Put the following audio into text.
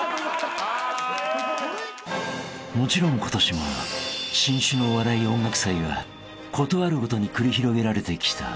［もちろん今年も新種のお笑い音楽祭が事あるごとに繰り広げられてきた］